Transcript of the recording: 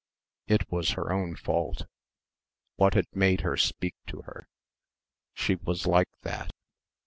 It was her own fault. What had made her speak to her? She was like that....